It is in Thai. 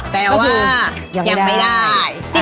แต่ว่ายังไม่ได้